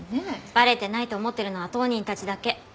バレてないと思ってるのは当人たちだけ。